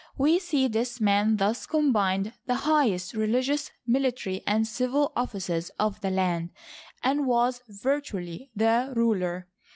We see this man thus combined the highest religious, military, and civil offices of the land, and was virtually the ruler.